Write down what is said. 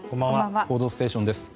「報道ステーション」です。